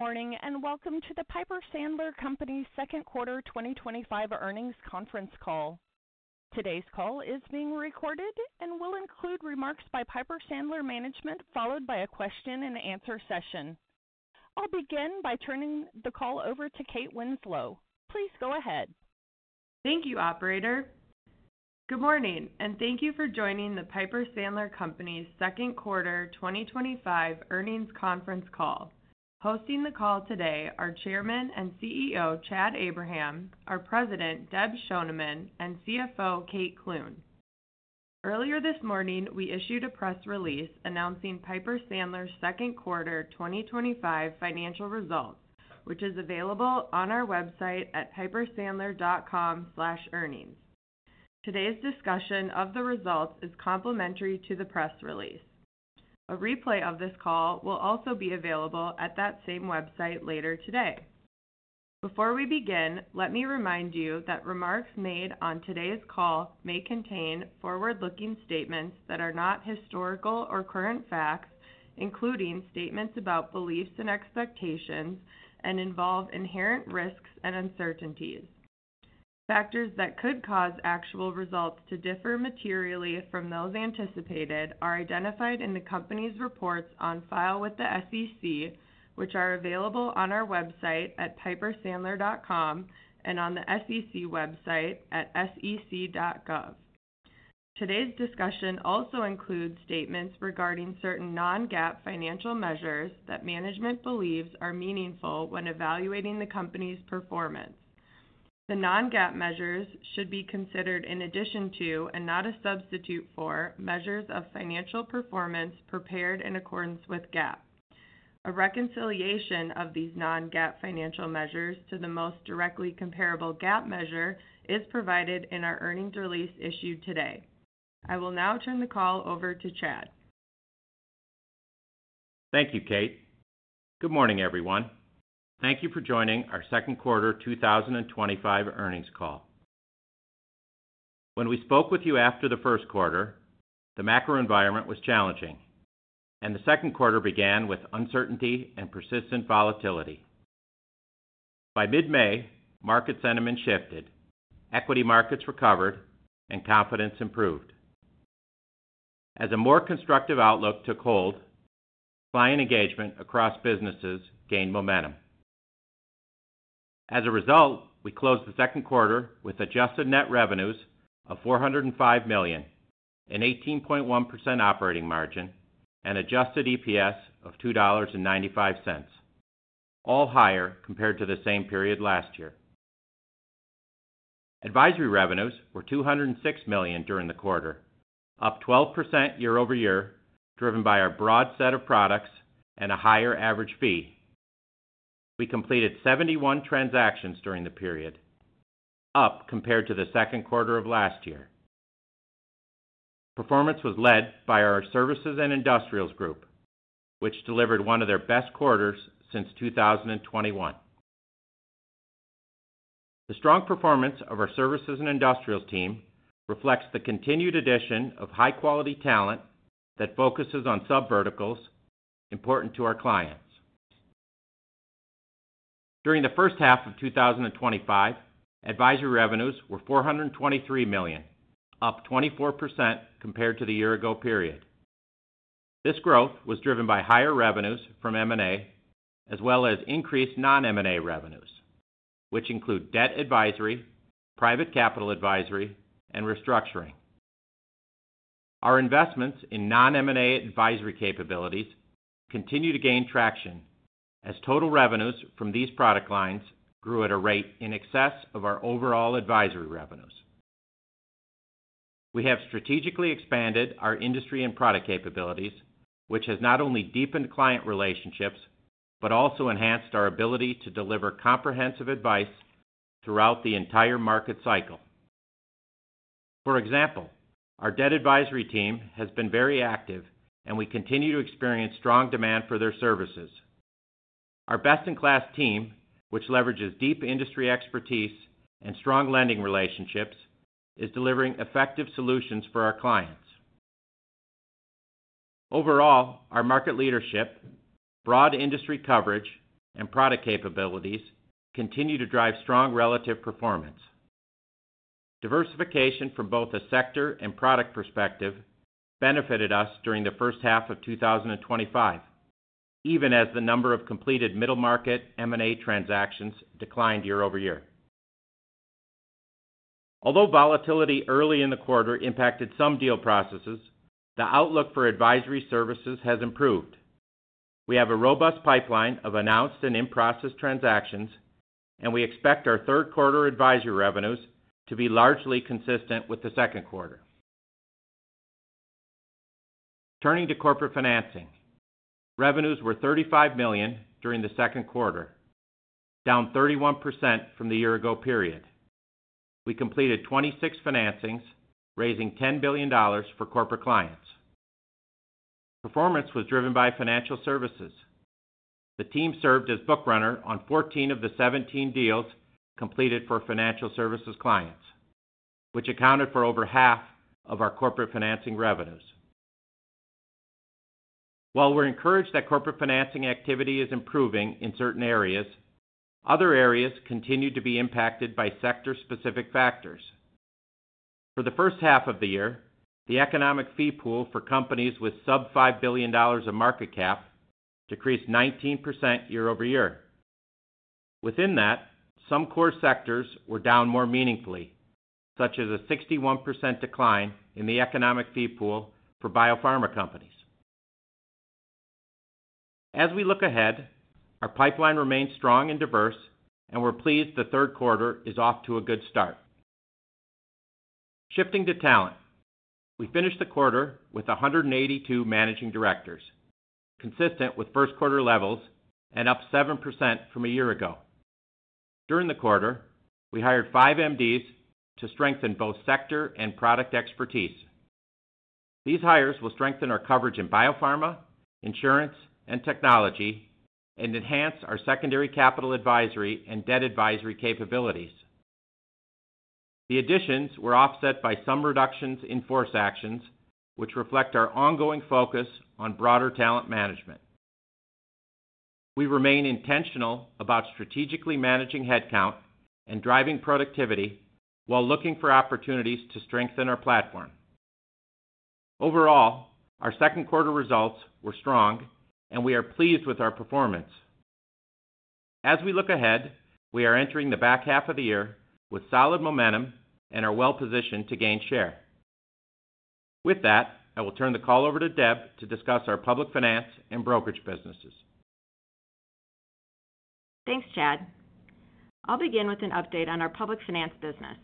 Good morning and welcome to the Piper Sandler Companies Second Quarter 2025 Earnings Conference Call. Today's call is being recorded and will include remarks by Piper Sandler Management, followed by a question and answer session. I'll begin by turning the call over to Kate Clune. Please go ahead. Thank you, operator. Good morning, and thank you for joining the Piper Sandler Companies Second Quarter 2025 Earnings Conference Call. Hosting the call today are Chairman and CEO, Chad Abraham, our President, Deb Schoneman, and CFO, Kate Clune. Earlier this morning, we issued a press release announcing Piper Sandler's Second Quarter 2025 financial results, which is available on our website at PiperSandler.com/earnings. Today's discussion of the results is complementary to the press release. A replay of this call will also be available at that same website later today. Before we begin, let me remind you that remarks made on today's call may contain forward-looking statements that are not historical or current facts, including statements about beliefs and expectations, and involve inherent risks and uncertainties. Factors that could cause actual results to differ materially from those anticipated are identified in the company's reports on file with the SEC, which are available on our website at PiperSandler.com and on the SEC website at SEC.gov. Today's discussion also includes statements regarding certain non-GAAP, financial measures that management believes are meaningful when evaluating the company's performance. The non-GAAP, measures should be considered in addition to, and not a substitute for, measures of financial performance prepared in accordance with GAAP. A reconciliation of these non-GAAP, financial measures to the most directly comparable GAAP, measure is provided in our earnings release issued today. I will now turn the call over to Chad. Thank you, Kate. Good morning, everyone. Thank you for joining our Second Quarter 2025 Earnings Call. When we spoke with you after the first quarter, the macro environment was challenging, and the second quarter began with uncertainty and persistent volatility. By mid-May, market sentiment shifted, equity markets recovered, and confidence improved as a more constructive outlook took hold. Client engagement across businesses gained momentum as a result. We closed the second quarter with adjusted net revenues of $405 million, an 18.1% operating margin, and adjusted EPS, of $2.95, all higher compared to the same period last year. Advisory revenues were $206 million during the quarter, up 12% year over year, driven by our broad set of products and a higher average fee. We completed 71 transactions during the period, up compared to the second quarter of last year. Performance was led by our Services and Industrials Group, which delivered one of their best quarters since 2021. The strong performance of our Services and Industrials team, reflects the continued addition of high-quality talent that focuses on sub-verticals important to our clients. During the first half of 2025, advisory revenues were $423 million, up 24% compared to the year-ago period. This growth was driven by higher revenues from M&A, as well as increased non-M&A revenues, which include debt advisory, private capital advisory, and restructuring. Our investments in non-M&A, advisory capabilities continue to gain traction as total revenues from these product lines grew at a rate in excess of our overall advisory revenues. We have strategically expanded our industry and product capabilities, which has not only deepened client relationships but also enhanced our ability to deliver comprehensive advice throughout the entire market cycle. For example, our debt advisory team, has been very active, and we continue to experience strong demand for their services. Our best-in-class team, which leverages deep industry expertise and strong lending relationships, is delivering effective solutions for our clients. Overall, our market leadership, broad industry coverage, and product capabilities continue to drive strong relative performance. Diversification from both a sector and product perspective benefited us during the first half of 2025, even as the number of completed middle market M&A transactions, declined year over year. Although volatility early in the quarter impacted some deal processes, the outlook for advisory services has improved. We have a robust pipeline of announced and in process transactions, and we expect our third quarter advisory revenues to be largely consistent with the second quarter. Turning to corporate financing, revenues were $35 million during the second quarter, down 31% from the year ago period. We completed 26 financings, raising $10 billion for corporate clients. Performance was driven by financial services. The team served as bookrunner on 14 of the 17 deals completed for financial services clients, which accounted for over half of our corporate financing revenues. While we're encouraged that corporate financing activity is improving in certain areas, other areas continue to be impacted by sector specific factors. For the first half of the year, the economic fee pool for companies with sub $5 billion of market cap, decreased 19% year over year. Within that, some core sectors were down more meaningfully, such as a 61% decline in the economic fee pool for biopharma Companies. As we look ahead, our pipeline remains strong and diverse, and we're pleased the third quarter is off to a good start. Shifting to talent, we finished the quarter with 182 Managing Directors, consistent with first quarter levels and up 7% from a year ago. During the quarter, we hired 5 MDs, to strengthen both sector and product expertise. These hires will strengthen our coverage in biopharma, insurance, and technology, and enhance our secondary capital advisory and debt advisory capabilities. The additions were offset by some reductions in force actions, which reflect our ongoing focus on broader talent management. We remain intentional about strategically managing headcount and driving productivity while looking for opportunities to strengthen our platform. Overall, our second quarter results were strong, and we are pleased with our performance as we look ahead. We are entering the back half of the year with solid momentum and are well positioned to gain share. With that, I will turn the call over to Deb, to discuss our public finance and brokerage businesses. Thanks Chad. I'll begin with an update on our public finance business.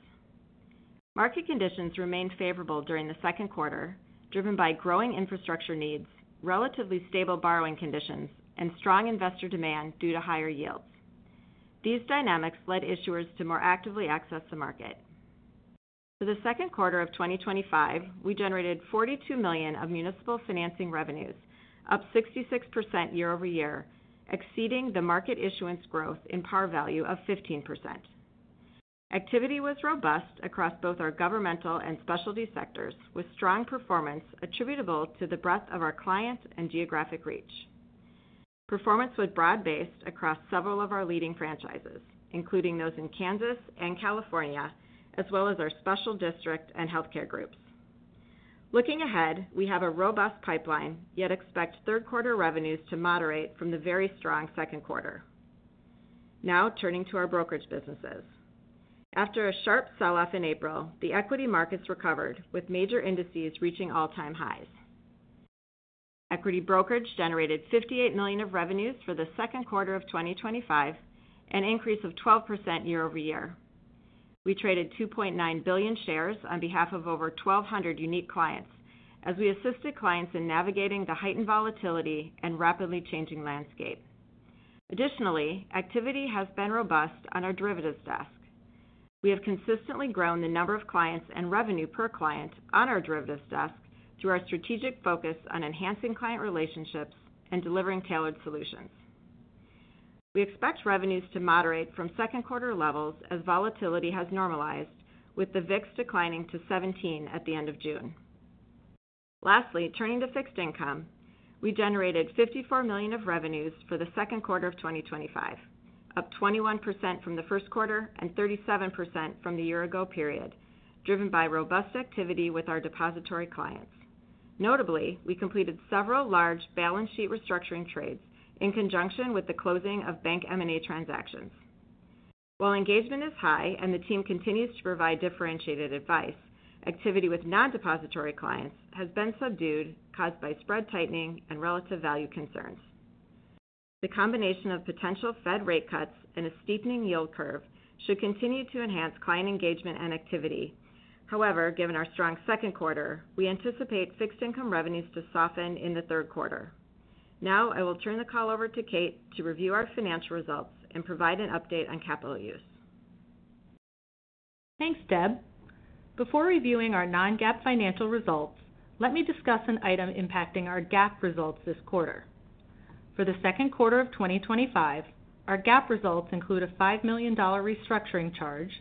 Market conditions remained favorable during the second quarter, driven by growing infrastructure needs, relatively stable borrowing conditions, and strong investor demand due to higher yields. These dynamics led issuers to more actively access the market. For the second quarter of 2025, we generated $42 million of municipal financing revenues, up 66% year over year, exceeding the market issuance growth in par value of 15%. Activity was robust across both our governmental and specialty sectors, with strong performance attributable to the breadth of our clients and geographic reach. Performance was broad based across several of our leading franchises, including those in Kansas and California, as well as our special district and healthcare groups. Looking ahead, we have a robust pipeline, yet expect third quarter revenues to moderate from the very strong second quarter. Now turning to our brokerage businesses. After a sharp sell off in April, the equity markets recovered with major indices reaching all time highs. Equity brokerage generated $58 million of revenues for the second quarter of 2025, an increase of 12% year over year. We traded 2.9 billion shares on behalf of over 1,200 unique clients as we assisted clients in navigating the heightened volatility and rapidly changing landscape. Additionally, activity has been robust on our derivatives desk. We have consistently grown the number of clients and revenue per client on our derivatives desk and through our strategic focus on enhancing client relationships and delivering tailored solutions. We expect revenues to moderate from second quarter levels as volatility has normalized, with the VIX, declining to 17 at the end of June. Lastly, turning to fixed income, we generated $54 million of revenues for the second quarter of 2025, up 21% from the first quarter and 37% from the year ago period, driven by robust activity with our depository clients. Notably, we completed several large balance sheet restructuring trades in conjunction with the closing of bank M&A transactions. While engagement is high and the team continues to provide differentiated advice, activity with non-depository clients has been subdued, caused by spread tightening and relative value concerns. The combination of potential Fed rate cuts and a steepening yield curve, should continue to enhance client engagement and activity. However, given our strong second quarter, we anticipate fixed income revenues to soften in the third quarter. Now I will turn the call over to Kate to review our financial results and provide an update on capital use. Thanks, Deb. Before reviewing our non-GAAP financial results, let me discuss an item impacting our GAAP results this quarter. For the second quarter of 2025, our GAAP results include a $5 million restructuring charge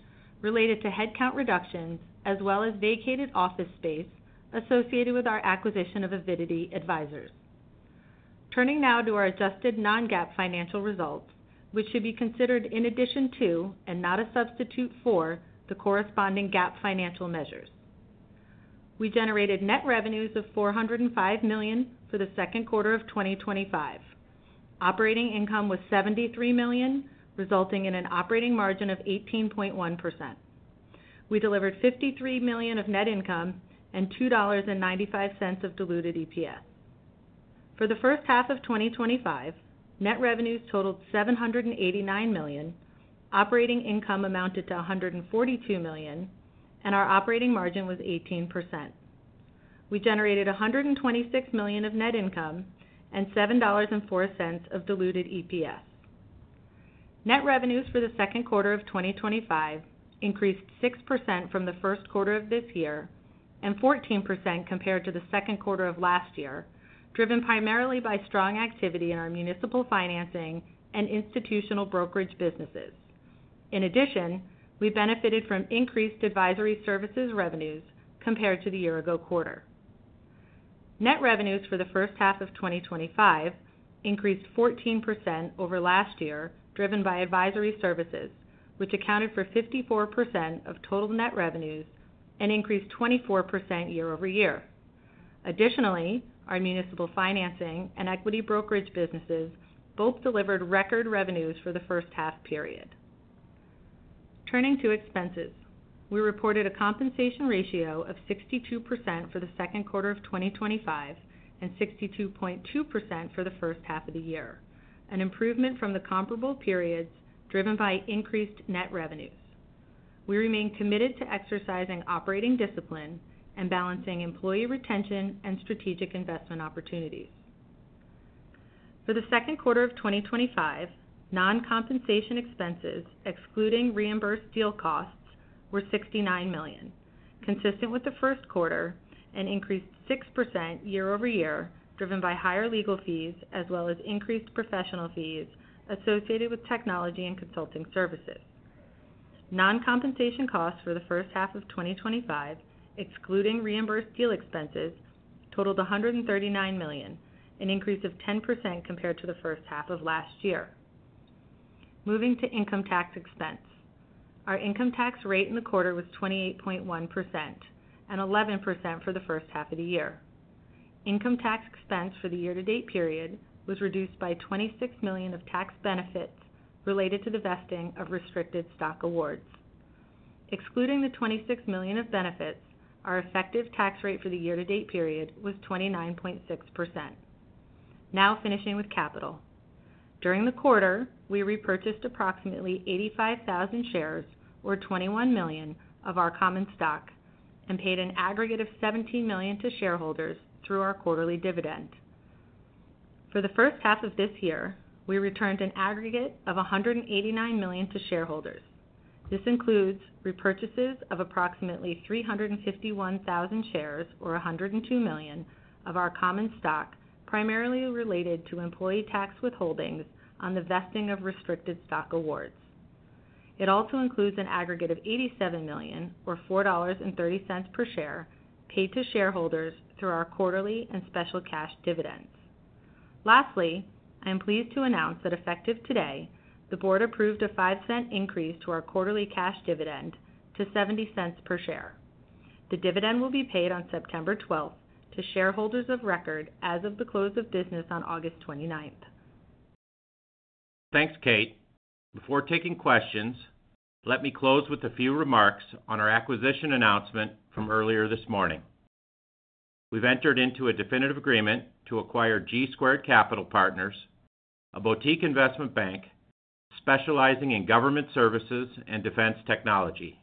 related to headcount reductions as well as vacated office space associated with our acquisition of Avidity Advisors. Turning now to our adjusted non-GAAP financial results, which should be considered in addition to, and not a substitute for, the corresponding GAAP financial measures, we generated net revenues of $405 million for the second quarter of 2025. Operating income was $73 million, resulting in an operating margin of 18.1%. We delivered $53 million of net income and $2.95 of diluted EPS. For the first half of 2025, net revenues totaled $789 million. Operating income amounted to $142 million and our operating margin was 18%. We generated $126 million of net income and $7.04 of diluted EPS. Net revenues for the second quarter of 2025 increased 6% from the first quarter of this year and 14% compared to the second quarter of last year, driven primarily by strong activity in our municipal financing and institutional brokerage businesses. In addition, we benefited from increased advisory services revenues compared to the year-ago quarter. Net revenues for the first half of 2025 increased 14% over last year, driven by advisory services, which accounted for 54% of total net revenues and increased 24% year over year. Additionally, our municipal financing and equity brokerage businesses both delivered record revenues for the first half period. Turning to expenses, we reported a compensation ratio of 62% for the second quarter of 2025 and 62.2% for the first half of the year, an improvement from the comparable periods driven by increased net revenues. We remain committed to exercising operating discipline and balancing employee retention and strategic investment opportunities. For the second quarter of 2025, non-compensation expenses, excluding reimbursed deal costs, were $69 million, consistent with the first quarter, and increased 6% year over year, driven by higher legal fees as well as increased professional fees, associated with technology and consulting services. Non-compensation costs for the first half of 2025, excluding reimbursed deal expenses, totaled $139 million, an increase of 10% compared to the first half of last year. Moving to income tax expense, our income tax rate in the quarter was 28.1% and 11% for the first half of the year. Income tax expense, for the year to date period was reduced by $26 million of tax benefits related to the vesting of restricted stock awards. Excluding the $26 million of benefits, our effective tax rate for the year to date period was 29.6%. Now finishing with capital, during the quarter we repurchased approximately 85,000 shares, or $21 million of our common stock, and paid an aggregate of $17 million to shareholders through our quarterly dividend. For the first half of this year, we returned an aggregate of $189 million to shareholders. This includes repurchases of approximately 351,000 shares, or $102 million of our common stock, primarily related to employee tax withholdings, on the vesting of restricted stock awards. It also includes an aggregate of $87 million, or $4.30 per share, paid to shareholders through our quarterly and special cash dividends. Lastly, I am pleased to announce that effective today, the board approved a $0.05 increase to our quarterly cash dividend to $0.70 per share. The dividend will be paid on September 12 to shareholders of record as of the close of business on August 29. Thanks, Kate. Before taking questions, let me close with a few remarks on our acquisition announcement from earlier this morning. We've entered into a definitive agreement to acquire G Squared Capital Partners, a boutique investment bank, specializing in government services and defense technology.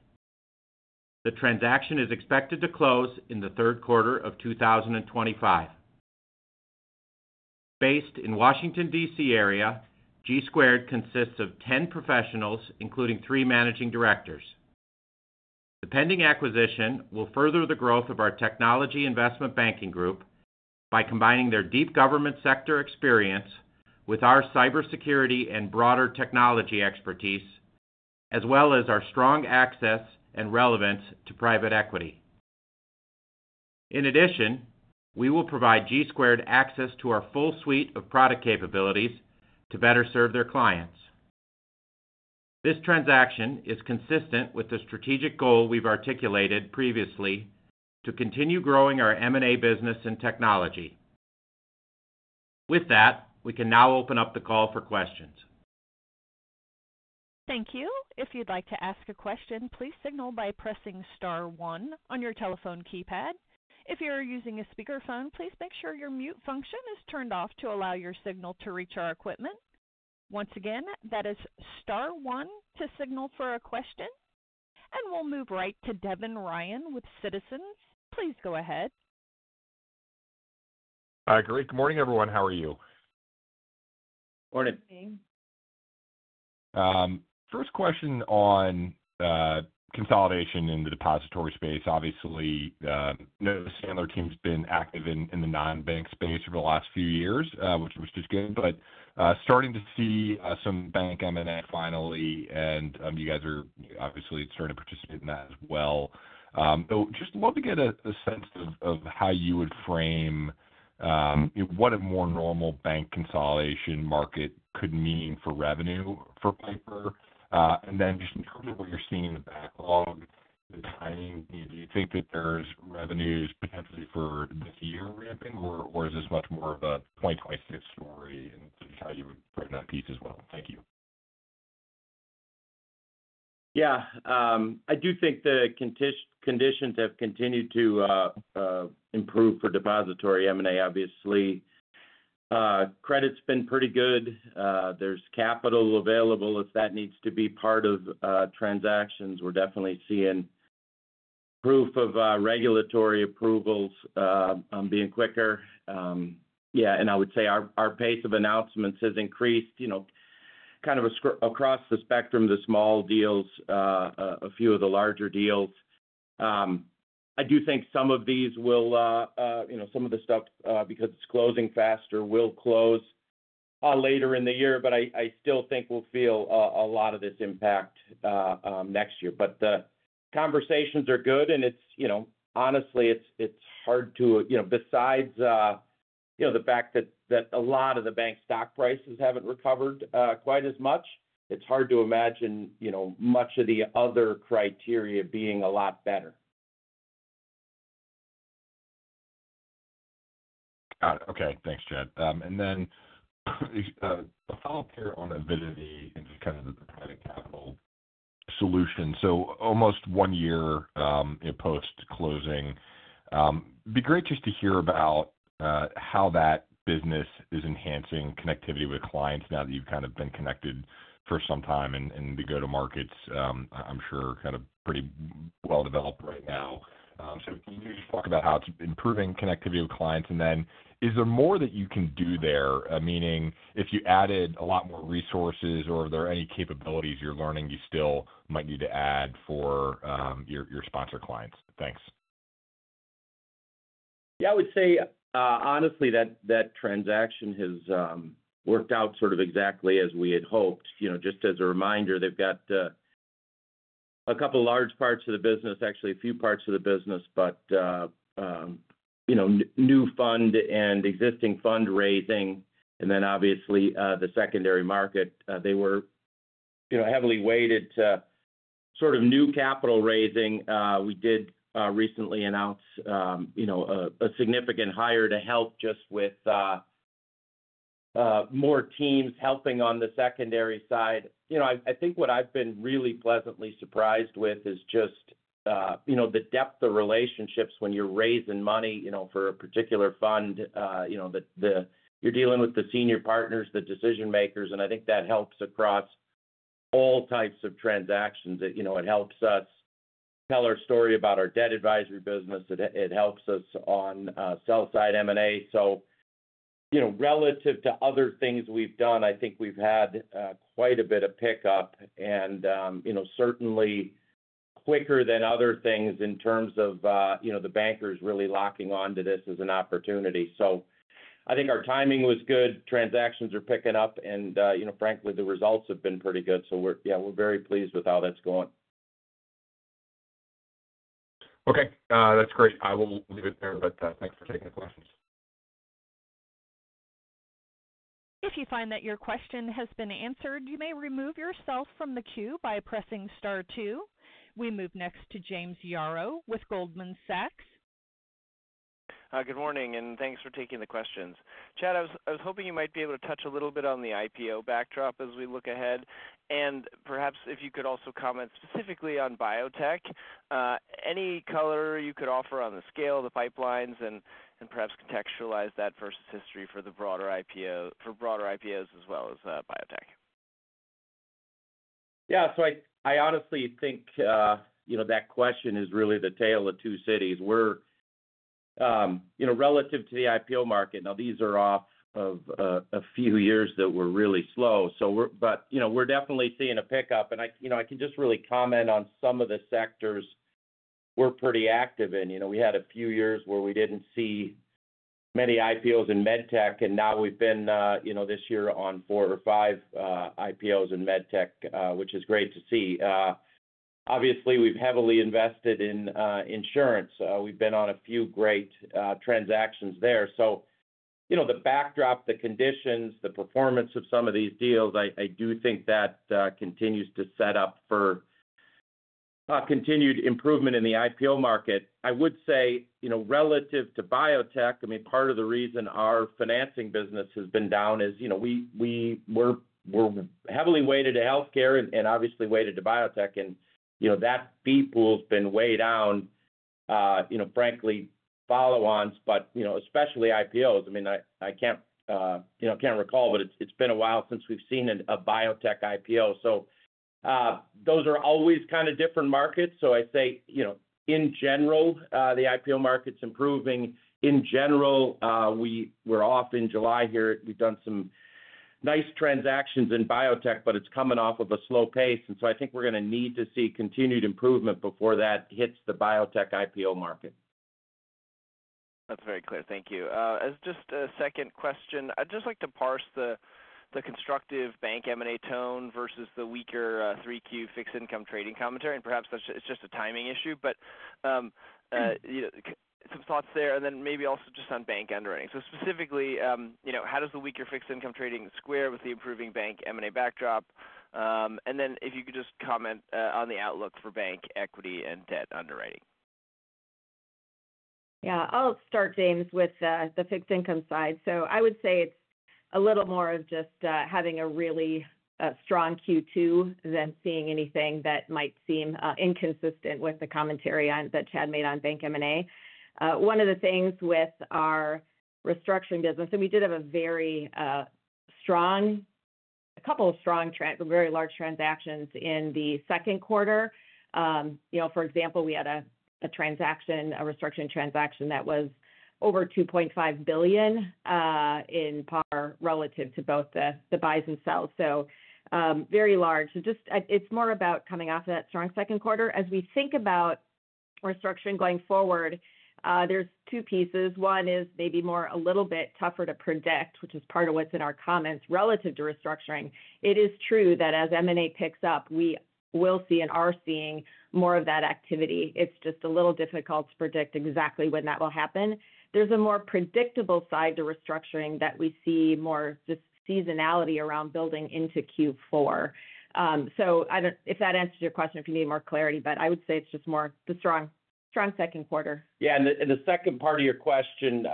The transaction is expected to close in the third quarter of 2025. Based in the Washington, D.C. area, G Squared, consists of 10 professionals, including three managing directors. The pending acquisition will further the growth of our technology investment banking group, by combining their deep government sector experience with our cybersecurity and broader technology expertise, as well as our strong access and relevance to private equity. In addition, we will provide G Squared, access to our full suite of product capabilities to better serve their clients. This transaction is consistent with the strategic goal we've articulated previously to continue growing our M&A business and technology. With that, we can now open up the call for questions. Thank you. If you'd like to ask a question, please signal by pressing STAR 1 on your telephone keypad. If you are using a speakerphone, please make sure your mute function is turned off to allow your signal to reach our equipment. Once again, that is STAR 1 to signal for a question and we'll move right to Devin Ryan, with Citizens. Please go ahead. Great. Good morning, everyone. How are you? Good Morning. First question on consolidation in the depository space. Obviously the new Sandler team's been active in the non-bank space, for the last few years, which is good, but starting to see some bank M&A finally. You guys are obviously starting to participate in that as well. Just love to get a sense of how you would frame what a more normal bank consolidation market could mean for revenue for Piper. In terms of what you're seeing in the backlog, the timing, do you think that there's revenues potentially for this year ramping or is this much more of a 2026 story and how you would piece as well? Thank you. Yeah, I do think the conditions have continued to improve for depository M&A. Obviously, credit's been pretty good. There's capital available if that needs to be part of transactions. We're definitely seeing proof of regulatory approvals being quicker. Yeah. I would say our pace of announcements has increased, you know, kind of across the spectrum. The small deals, a few of the larger deals. I do think some of these will, you know, some of the stuff, because it's closing faster, will close later in the year. I still think we'll feel a lot of this impact next year. The conversations are good and it's, you know, honestly it's hard to. Besides the fact that a lot of the bank stock prices haven't recovered quite as much, it's hard to imagine much of the other criteria being a lot better. Okay, thanks, Chad. A follow up here on avidity, and just kind of capital solution. Almost one year post closing. Be great just to hear about how that business is enhancing connectivity with clients now that you've kind of been connected for some time and the go to markets, I'm sure, kind of pretty well developed right now. Talk about how it's improving connectivity with clients, and is there more that you can do there? Meaning if you added a lot more resources or are there any capabilities you're learning you still might need to add for your sponsor clients? Thanks. Yeah, I would say honestly, that transaction has worked out sort of exactly as we had hoped. Just as a reminder, they've got a couple large parts of the business, actually a few parts of the business, but, you know, new fund and existing fundraising and then obviously the secondary market. They were heavily weighted to sort of new capital raising. We did recently announce a significant hire to help just with more teams helping on the secondary side. I think what I've been really pleasantly surprised with is just the depth of relationships. When you're raising money for a particular fund, you're dealing with the senior partners, the decision makers. I think that helps across all types of transactions. It helps us tell our story about our debt advisory business. It helps us on sell side M&A. Relative to other things we've done, I think we've had quite a bit of pickup and certainly quicker than other things in terms of the bankers really locking onto this as an opportunity. I think our timing was good. Transactions are picking up and frankly the results have been pretty good. We're very pleased with how that's going. Okay, that's great. I will leave it there. Thanks for taking the questions. If you find that your question has been answered, you may remove yourself from the queue by pressing star 2. We move next to James Yaro with Goldman Sachs. Good morning and thanks for taking the questions. Chad, I was hoping you might be able to touch a little bit on the IPO backdrop, as we look ahead, and perhaps if you could also comment specifically on biotech. Any color you could offer on the scale, the pipelines, and perhaps contextualize that versus history for broader IPOs, as well as biotech. Yeah, so I honestly think that question is really the tale of two cities. We're, you know, relative to the IPO market, now, these are off of a few years that were really slow. We're definitely seeing a pickup. I can just really comment on some of the sectors we're pretty active in. We had a few years where we didn't see many IPOs in medtech, and now we've been this year on four or five IPOs in medtech, which is great to see. Obviously, we've heavily invested in insurance. We've been on a few great transactions there. The backdrop, the conditions, the performance of some of these deals, I do think that continues to set up for continued improvement in the IPO market. I would say, relative to biotech, part of the reason our financing business has been down is we were heavily weighted to health care and obviously weighted to biotech, and that's been weighed down, frankly, follow-ons, but especially IPOs. I mean, I can't recall, but it's been a while since we've seen a biotech IPO. Those are always kind of different markets. I say, in general, the IPO market's, improving. In general, we were off in July here. We've done some nice transactions in biotech, but it's coming off of a slow pace. I think we're going to need to see continued improvement before that hits the biotech IPO market. That's very clear. Thank you. As just a second question, I'd just like to parse the constructive bank M&A tone, versus the weaker 3Q fixed income trading commentary. Perhaps it's just a timing issue, but some thoughts there and then maybe also just on bank underwriting. Specifically, how does the weaker fixed income trading square with the improving bank M&A bank backdrop? If you could just comment on the outlook for bank equity and debt underwriting. Yeah, I'll start, James, with the fixed income side. I would say it's a little more of just having a really strong Q2, than seeing anything that might seem inconsistent with the commentary that Chad, made on bank M&A. One of the things with our restructuring business is we did have a very strong, a couple of strong, very large transactions in the second quarter. For example, we had a transaction, a restructuring transaction that was over $2.5 billion in par relative to both the buys and sells. Very large. It's more about coming off that strong second quarter as we think about restructuring going forward. There are two pieces. One is maybe a little bit tougher to predict, which is part of what's in our comments relative to restructuring. It is true that as M&A picks up, we will see and are seeing more of that activity. It's just a little difficult to predict exactly when that will happen. There's a more predictable side to restructuring that we see more just seasonality around building into Q4. If that answers your question, if you need more clarity. I would say it's just more the strong, strong second quarter. The second part of your question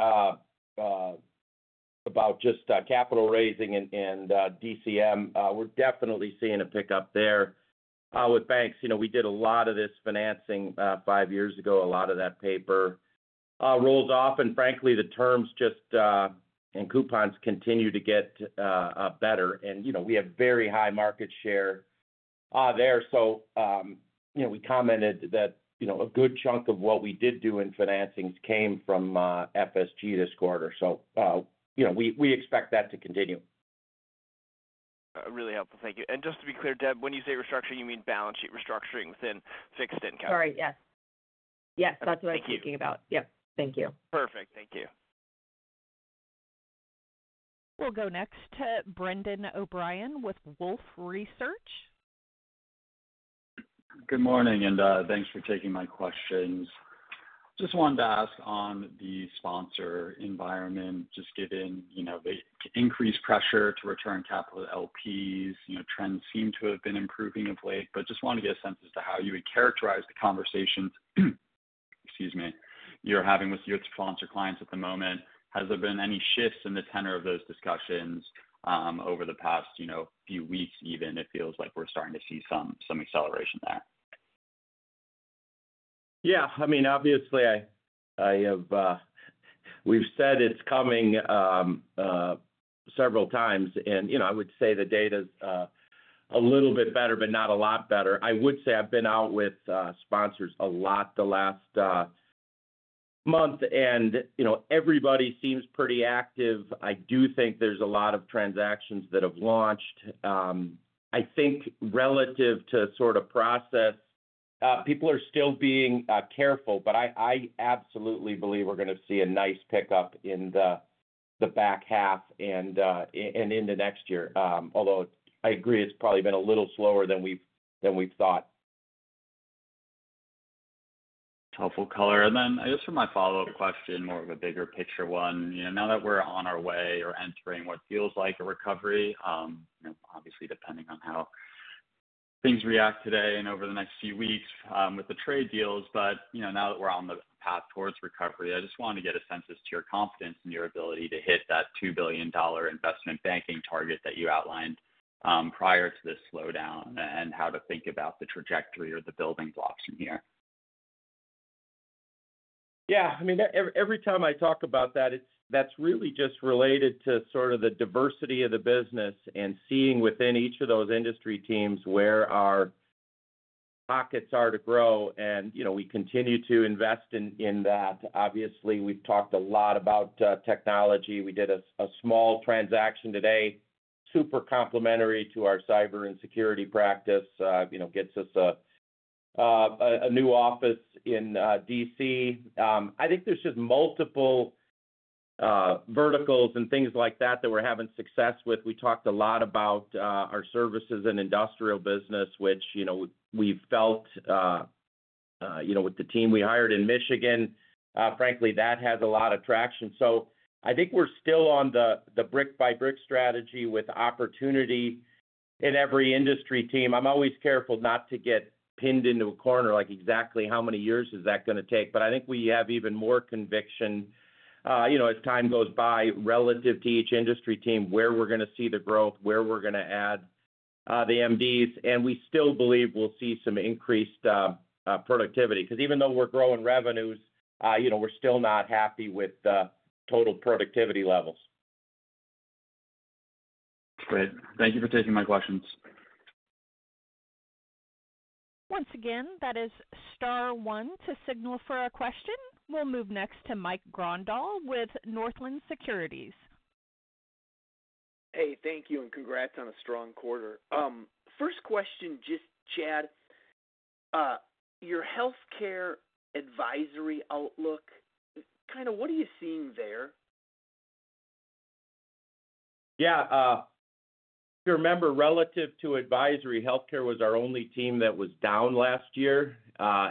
about just capital raising and DCM, we're definitely seeing a pickup there with banks. We did a lot of this financing five years ago. A lot of that paper rolls off and frankly the terms and coupons continue to get better, and we have very high market share there. We commented that a good chunk of what we did do in financings came from FSG, this quarter. We expect that to continue. Really helpful. Thank you. Just to be clear, Deb, when you say restructuring, you mean balance sheet restructuring within fixed income. Yes, that's what I was thinking about. Thank you. Perfect. Thank you. We'll go next to Brendan O'Brien, with Wolfe Research. Good morning and thanks for taking my questions. Just wanted to ask on the sponsor environment, given the increased pressure to return capital to LPs, trends seem to have been improving of late. Just want to get a sense as to how you would characterize the conversations you're having with your sponsor clients at the moment. Has there been any shifts in the tenor of those discussions over the past few weeks even? It feels like we're starting to see some acceleration there. Yeah, obviously we've said it's coming several times and I would say the data's a little bit better, but not a lot better. I've been out with sponsors a lot the last month and everybody seems pretty active. I do think there's a lot of transactions that have launched. I think relative to process, people are still being careful, but I absolutely believe we're going to see a nice pickup in the back half and into next year. Although I agree it's probably been a little slower than we've thought. Helpful color. For my follow up question, more of a bigger picture one, now that we're on our way or entering what feels like a recovery, obviously depending on how things react today and over the next few weeks with the trade deals. Now that we're on the path towards recovery, I just wanted to get a sense as to your confidence in your ability to hit that $2 billion investment banking target, that you outlined prior to this slowdown and how to think about the trajectory or the building blocks from here. Yeah, every time I talk about that, that's really just related to the diversity of the business and seeing within each of those industry teams where our pockets are to grow. We continue to invest in that. Obviously we've talked a lot about technology. We did a small transaction today, super complementary to our cyber and security practice. Gets us a new office in D.C., I think there's just multiple verticals and things like that that we're having success with. We talked a lot about our services and industrial business, which we felt, with the team we hired in Michigan, frankly, that has a lot of traction. I think we're still on the brick by brick strategy, with opportunity in every industry team. I'm always careful not to get pinned into a corner, like exactly how many years is that going to take? I think we have even more conviction, you know, as time goes by, relative to each industry team, where we're going to see the growth, where we're going to add the MDs, and we still believe we'll see some increased productivity because even though we're growing revenues, you know, we're still not happy with total productivity levels. Great. Thank you for taking my questions. Once again, that is Star one to signal for a question. We'll move next to Mike Grondahl, with Northland Securities. Hey, thank you and congrats on a strong quarter. First question, just Chad, your healthcare advisory. Outlook, what are you seeing there? Yeah, remember, relative to advisory, healthcare, was our only team that was down last year.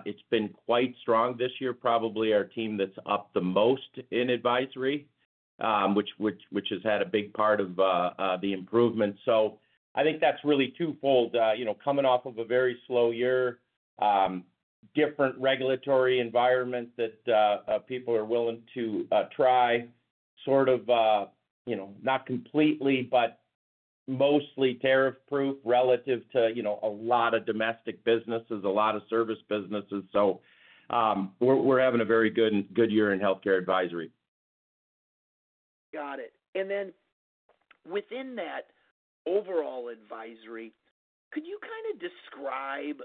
It's been quite strong this year, probably our team that's up the most in advisory, which has had a big part of the improvement. I think that's really twofold, coming off of a very slow year. Different regulatory environment that people are willing to try, sort of, you know, not completely, but mostly tariff proof relative to a lot of domestic businesses, a lot of service businesses. We're having a very good year in healthcare advisory. Got it. Within that overall advisory, could you kind of describe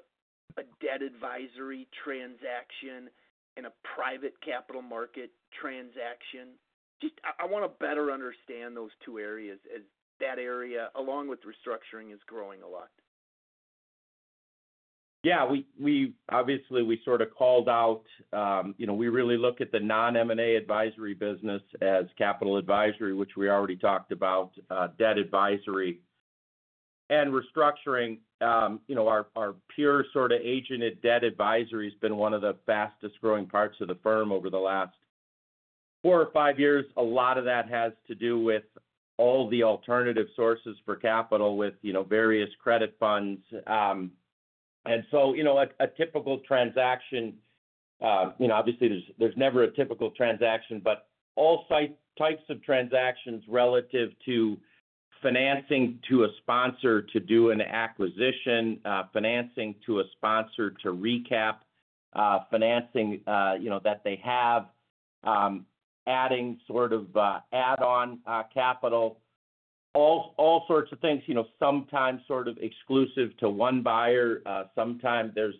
a debt advisory? Transaction and a private capital market transaction? I want to better understand those two. Areas as that area along with restructuring is growing a lot. Yeah, we obviously, we sort of called out, you know, we really look at the non-M&A advisory business, as capital advisory, which we already talked about, debt advisory and restructuring. You know, our pure sort of agented debt advisory, has been one of the fastest growing parts of the firm over the last four or five years. A lot of that has to do with all the alternative sources for capital with various credit funds. A typical transaction, obviously there's never a typical transaction, but all types of transactions relative to financing to a sponsor to do an acquisition, financing to a sponsor to recap, financing that they have, adding sort of add-on capital, all sorts of things. Sometimes sort of exclusive to one buyer, sometimes there's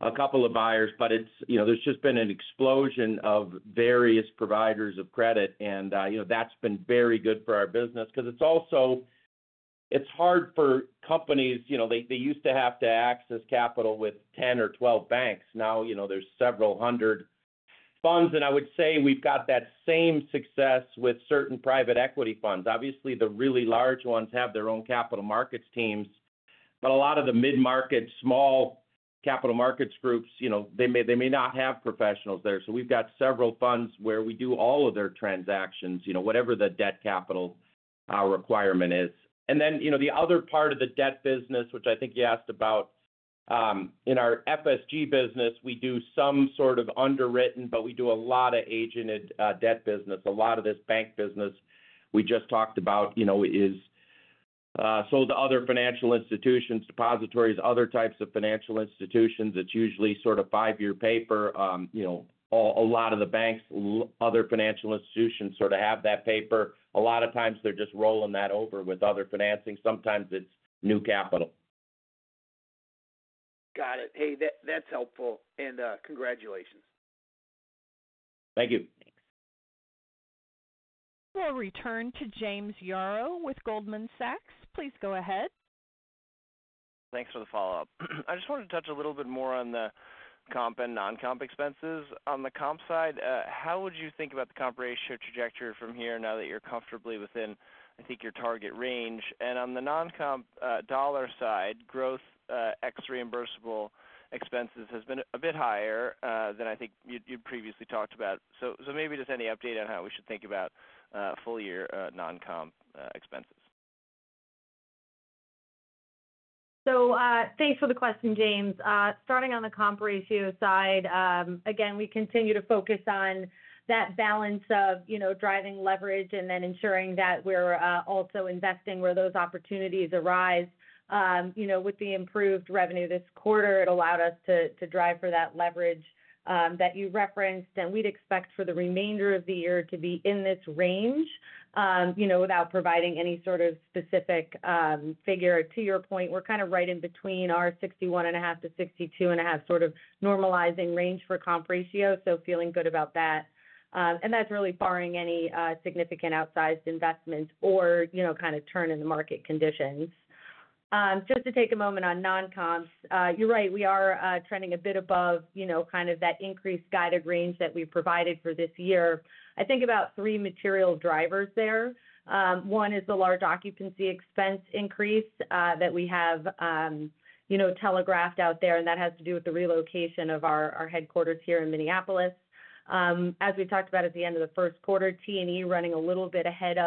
a couple of buyers. There's just been an explosion of various providers of credit. That's been very good for our business because it's also, it's hard for companies. They used to have to access capital with 10 or 12 banks. Now there's several hundred funds. I would say we've got that same success with certain private equity funds. Obviously the really large ones have their own capital markets teams, but a lot of the mid-market, small capital markets groups, they may not have professionals there. We've got several funds where we do all of their transactions, whatever the debt capital requirement is. The other part of the debt business, which I think you asked about, in our FSG business, we do some sort of underwritten, but we do a lot of agented debt business. A lot of this bank business, we just talked about is sold to other financial institutions, depositories, other types of financial institutions. It's usually sort of five-year paper. A lot of the banks, other financial institutions, sort of have that paper. A lot of times they're just rolling that over with other financing. Sometimes it's new capital. Got it. Hey, that's helpful and congratulations. Thank you. We'll return to James Yaro, with Goldman Sachs. Please go ahead. Thanks for the follow-up. I just wanted to touch a little bit more on the comp and non-comp expenses. On the comp side, how would you think about the comp ratio trajectory from here now that you're comfortably within, I think, your target range? On the non-comp dollar side, growth ex reimbursable expenses, has been a bit higher than I think you previously talked about. Maybe just any update on how we should think about full-year non-comp expenses? Thanks for the question, James. Starting on the comp ratio side again, we continue to focus on that balance of driving leverage and then ensuring that we're also investing where those opportunities arise. With the improved revenue this quarter, it allowed us to drive for that leverage that you referenced and we'd expect for the remainder of the year to be in this range. Without providing any sort of specific figure to your point, we're kind of right in between our 61.5% to 62.5% sort of normalizing range for comp ratio. Feeling good about that and that's really barring any significant outsized investment or kind of turn in the market conditions. Just to take a moment on non-comps, you're right, we are trending a bit above that increased guided range that we provided for this year. I think about three material drivers there. One is the large occupancy expense increase that we have telegraphed out there, and that has to do with the relocation of our headquarters here in Minneapolis. As we talked about at the end of the first quarter, T&E, running a little bit ahead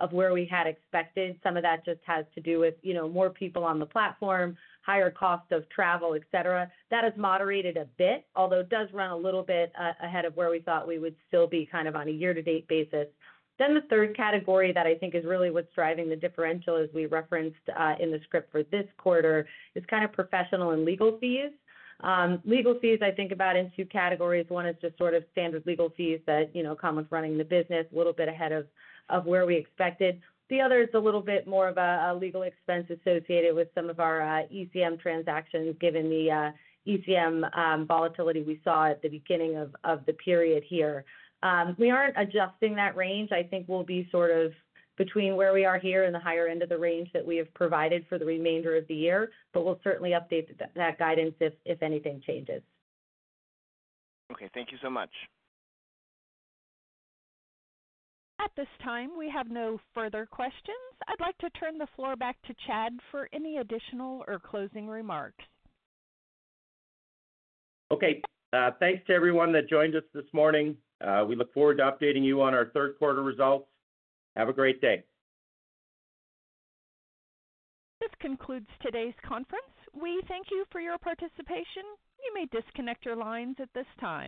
of where we had expected. Some of that just has to do with more people on the platform, higher cost of travel, et cetera. That has moderated a bit, although it does run a little bit ahead of where we thought we would still be on a year-to-date basis. The third category that I think is really what's driving the differential, as we referenced in the script for this quarter, is professional and legal fees. Legal fees, I think about in two categories. One is just standard legal fees that come with running the business, a little bit ahead of where we expected. The other is a little bit more of a legal expense associated with some of our ECM transactions. Given the ECM volatility, we saw at the beginning of the period here, we aren't adjusting that range. I think we'll be between where we are here and the higher end of the range that we have provided for the remainder of the year. We'll certainly update that guidance if anything changes. Okay, thank you so much. At this time, we have no further questions. I'd like to turn the floor back to Chad, for any additional or closing remarks. Okay. Thanks to everyone that joined us this morning. We look forward to updating you on our third quarter results. Have a great day. This concludes today's conference. We thank you for your participation. You may disconnect your lines at this time.